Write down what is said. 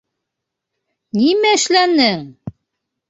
Нимә эшләнең?